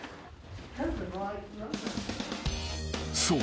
［そう。